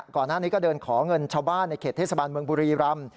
ก่อนหน้านี้ก็เดินขอเงินชาวบ้านในเขตเทศบาลเมืองบุรีรำ